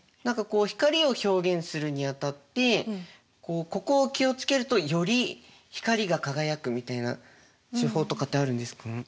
光を表現するにあたってここを気を付けるとより光が輝くみたいな手法とかってあるんですか？